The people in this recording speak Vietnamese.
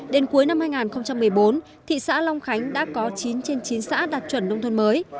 đến cuối năm hai nghìn một mươi bốn thị xã long khánh đã có chín trên chín xã đạt chuẩn nông thôn mới